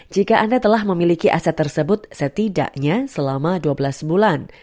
jika anda telah memiliki aset tersebut setidaknya selama dua belas bulan